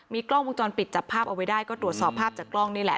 กล้องวงจรปิดจับภาพเอาไว้ได้ก็ตรวจสอบภาพจากกล้องนี่แหละ